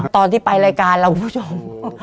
ตอนที่ไปรายการเราคุณผู้ชม